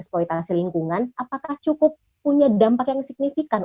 eksploitasi lingkungan apakah cukup punya dampak yang signifikan